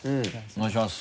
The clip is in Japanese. お願いします。